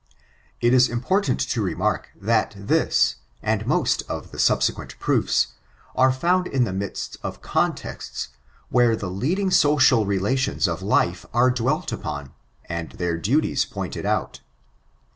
It is important to remark, that this, and most of the subsequent proo&, are found in the midst of contexts where the leading social relations of life are dwolt upon, and their duties pointed out.